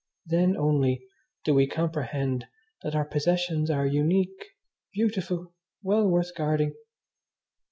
Then only do we comprehend that our possessions are unique, beautiful, well worth guarding.